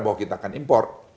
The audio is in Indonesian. bahwa kita akan import